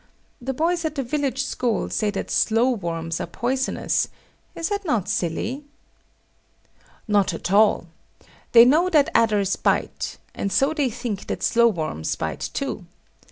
The boys at the village school say that slowworms are poisonous; is not that silly? Not at all. They know that adders bite, and so they think that slowworms bite too.